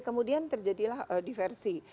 kemudian terjadilah diversi